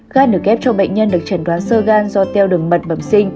gan được ghép cho bệnh nhân được chẩn đoán sơ gan do teo đường mật bẩm sinh